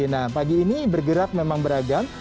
nah pagi ini bergerak memang beragam